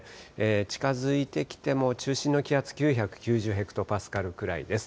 近づいてきても中心の気圧９９０ヘクトパスカルくらいです。